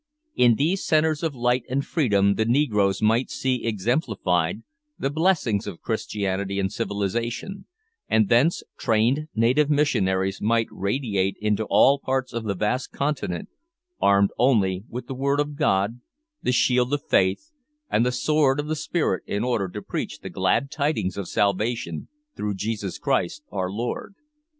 In these centres of light and freedom the negroes might see exemplified the blessings of Christianity and civilisation, and, thence, trained native missionaries might radiate into all parts of the vast continent armed only with the Word of God, the shield of Faith, and the sword of the Spirit in order to preach the glad tidings of salvation through Jesus Christ our Lord.